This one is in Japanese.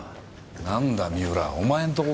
何だ三浦お前んとこか。